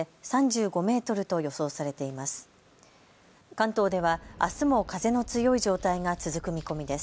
関東では、あすも風の強い状態が続く見込みです。